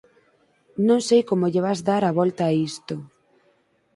Non sei como lle vas dar a volta a isto.